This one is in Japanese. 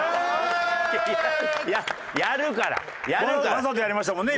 わざとやりましたもんね